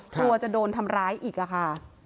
กลัวจะโดนทำร้ายอีกค่ะ